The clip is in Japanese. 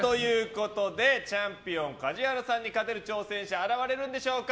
チャンピオン梶原さんに勝てる挑戦者は現れるんでしょうか。